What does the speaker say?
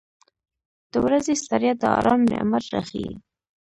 • د ورځې ستړیا د آرام نعمت راښیي.